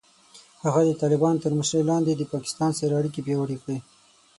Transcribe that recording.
هغه د طالبانو تر مشرۍ لاندې د پاکستان سره اړیکې پیاوړې کړې.